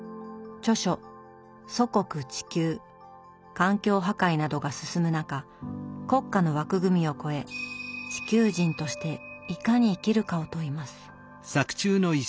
環境破壊などが進む中国家の枠組みを超え「地球人」としていかに生きるかを問います。